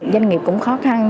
doanh nghiệp cũng khó khăn